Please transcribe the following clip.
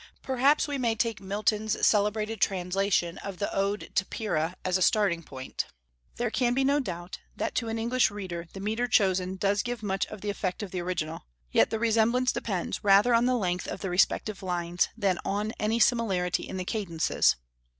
Perhaps we may take Milton's celebrated translation of the Ode to Pyrrha as a starting point. There can be no doubt that to an English reader the metre chosen does give much of the effect of the original; yet the resemblance depends rather on the length of the respective lines than on any similarity in the cadences.